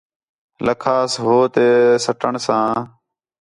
لَکھاس ہو تے سٹݨ ساں